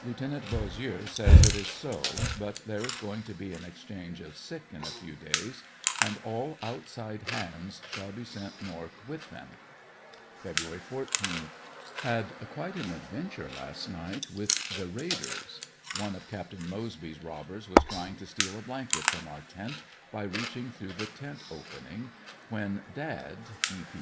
Lieut. Bossieux says it is so but there is going to be an exchange of sick in a few days and all outside hands s^hall be sent north with them. Feb 14. — Had quite an adventure last night with the raiders. One of Capt. Moseby's robbers was trying to steal a blanket from our tent by reaching through the tent opening when Dad (E. P.